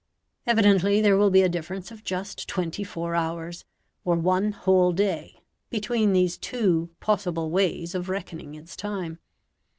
Evidently there will be a difference of just twenty four hours, or one whole day, between these two possible ways of reckoning its time.